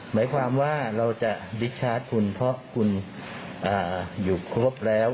หมายความว่าเราจะบิ๊กชาร์จคุณเพราะคุณอยู่ครบแล้ว